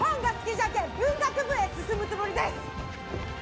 じゃけん文学部へ進むつもりです！